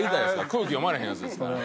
空気読まれへんヤツですから。